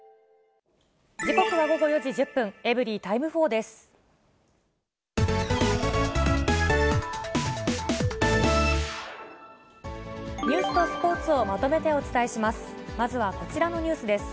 時刻は午後４時１０分、エブリィタイム４です。